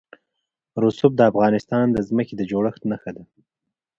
رسوب د افغانستان د ځمکې د جوړښت نښه ده.